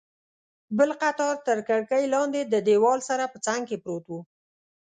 بل قطار تر کړکۍ لاندې، د دیوال سره په څنګ کې پروت و.